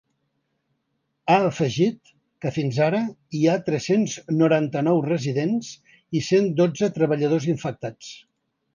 Ha afegit que fins ara hi ha tres-cents noranta-nou residents i cent dotze treballadors infectats.